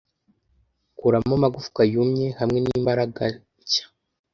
Kuramo amagufwa yumye, hamwe n'imbaraga nshya